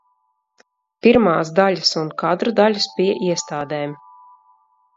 Pirmās daļas un kadru daļas pie iestādēm.